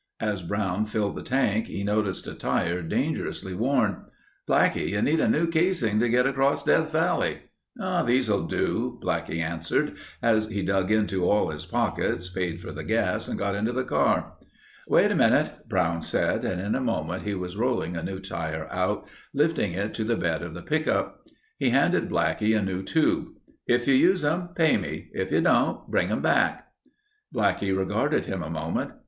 As Brown filled the tank he noticed a tire dangerously worn. "Blackie, you need a new casing to get across Death Valley." "These'll do," Blackie answered as he dug into all his pockets, paid for the gas and got into the car. "Wait a minute," Brown said and in a moment he was rolling a new tire out, lifting it to the bed of the pickup. He handed Blackie a new tube. "If you use them, pay me. If you don't, bring 'em back." Blackie regarded him a moment.